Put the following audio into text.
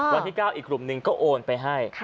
วันที่๙อีกกลุ่มหนึ่งก็โอนไปให้